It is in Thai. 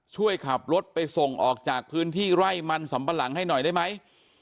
ช่วยขับรถไปส่งออกจากพื้นที่ไร่มันสำปะหลังให้หน่อยได้ไหม